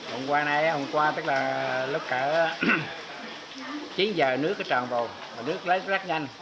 hôm qua này hôm qua tức là lúc cả chín giờ nước tròn vồn nước lấy rất nhanh